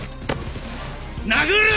殴る！